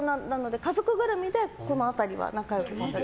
家族ぐるみでこの辺りは仲良くて。